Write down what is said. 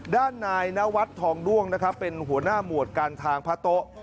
ด้านนายนวัดทองด้วงนะครับเป็นหัวหน้าหมวดการทางพระโต๊ะ